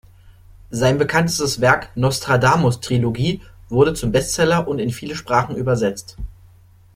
Sein bekanntestes Werk "Nostradamus-Trilogie" wurde zum Bestseller und in viele Sprachen übersetzt.